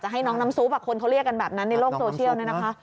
จะให้น้องน้ำสูตรบางคนเขาเรียกกันแบบนั้นในโลกโซเชียล